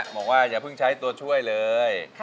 บอกว่าอย่าเพิ่งใช้ตัวช่วยเลย